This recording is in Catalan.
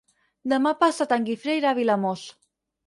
Demà passat en Guifré irà a Vilamòs.